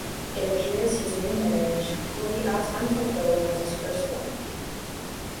It appears his new marriage will be as unfulfilling as his first one.